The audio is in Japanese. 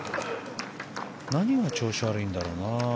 何の調子が悪いんだろうな。